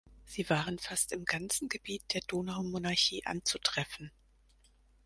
Sie waren fast im ganzen Gebiet der Donaumonarchie anzutreffen.